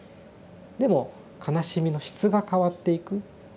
でも悲しみの質が変わっていく。